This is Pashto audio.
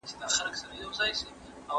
¬ څه وڼی پاته، څه کوسی پاته.